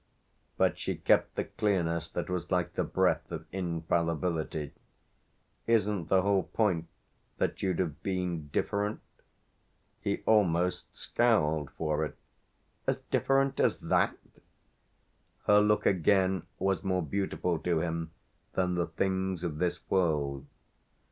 But she kept the clearness that was like the breath of infallibility. "Isn't the whole point that you'd have been different?" He almost scowled for it. "As different as that ?" Her look again was more beautiful to him than the things of this world.